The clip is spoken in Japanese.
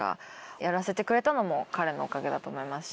やらせてくれたのも彼のおかげだと思いますし。